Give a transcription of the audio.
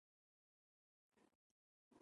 لوستې نجونې د خپل حق لپاره مبارزه کولی شي.